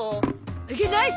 あげない！